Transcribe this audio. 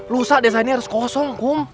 lusa desa ini harus kosong kum